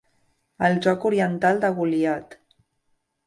El joc oriental de goliat.